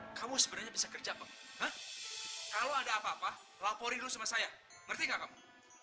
hai kamu sebenarnya bisa kerja kalau ada apa apa laporin sama saya ngerti kamu